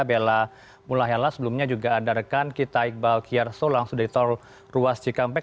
bella mulahela sebelumnya juga ada rekan kita iqbal kiyarso langsung dari tol ruas cikampek